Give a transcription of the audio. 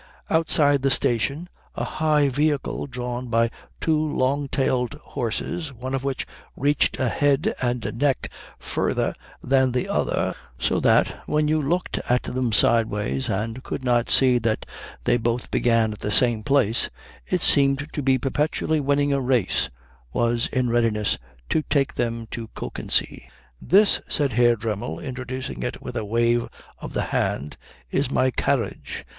Outside the station a high vehicle drawn by two long tailed horses, one of which reached a head and neck further than the other, so that when you looked at them sideways and could not see that they both began at the same place it seemed to be perpetually winning a race, was in readiness to take them to Kökensee. "This," said Herr Dremmel, introducing it with a wave of the hand, "is my carriage.